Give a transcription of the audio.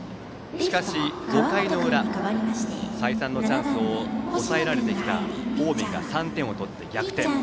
しかし、５回の裏再三のチャンスを抑えられてきた近江が３点を取って逆転。